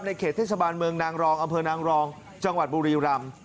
เขตเทศบาลเมืองนางรองอำเภอนางรองจังหวัดบุรีรำ